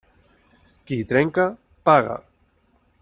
Qui trenca, paga.